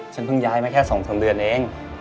เพิ่งย้ายมาแค่๒๓เดือนเอง